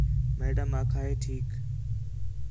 میڈم آکھا ہے ٹھیک